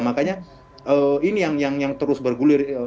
makanya ini yang terus bergulir